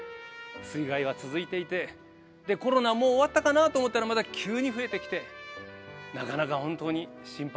水害が続いていてコロナもう終わったかなと思ったらまた急に増えてきてなかなか本当に心配なことばっかりです。